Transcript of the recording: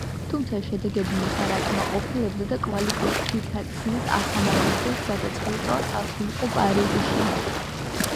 თუმცა ეს შედეგები მას არ აკმაყოფილებდა და კვალიფიკაციის ასამაღლებლად გადაწყვიტა წასულიყო პარიზში.